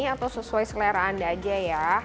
atau sesuai selera anda aja ya